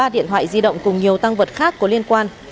ba điện thoại di động cùng nhiều tăng vật khác có liên quan